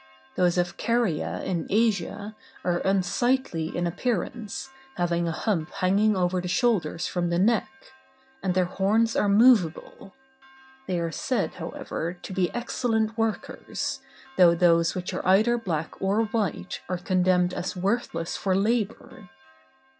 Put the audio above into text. Those of Caria in Asia, are unsightly in appearance, having a hump hanging over the shoulders from the neck; and their horns are movable; they are said, however, to be excellent workers, though those which are either black or white are condemned as worthless for labor.